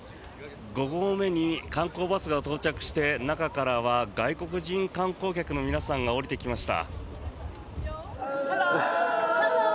５合目に観光バスが到着して中からは外国人観光客の皆さんが降りてきました。